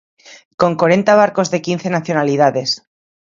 Con corenta barcos de quince nacionalidades.